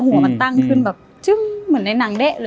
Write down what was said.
หัวมันตั้งขึ้นแบบจึ้งเหมือนในหนังเด๊ะเลย